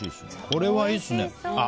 これは、いいですね。